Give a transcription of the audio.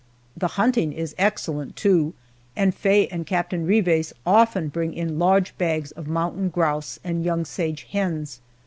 The hunting is excellent, too, and Faye and Captain Rives often bring in large bags of mountain grouse and young sage hens.